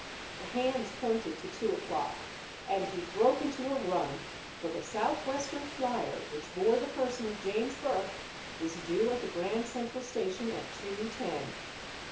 The hands pointed to two o'clock, and he broke into a run, for the Southwestern Flyer which bore the person of James Burke was due at the Grand Central Station at two ten.